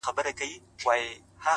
د هر سهار تر لمانځه راوروسته _